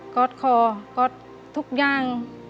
๊อตคอก๊อตทุกอย่าง